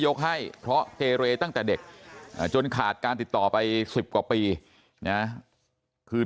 ให้เพราะเกเรตั้งแต่เด็กจนขาดการติดต่อไป๑๐กว่าปีนะคือ